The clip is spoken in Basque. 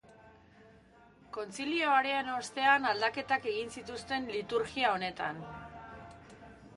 Kontzilioaren ostean aldaketak egin zituzten liturgia honetan.